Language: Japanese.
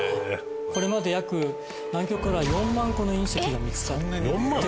これまで約南極からは４万個の隕石が見つかってます。